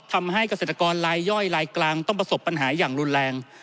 ทำให้เกษตรกรลายย่อยลายกลางต้องประสบปัญหาอย่างรุนแรง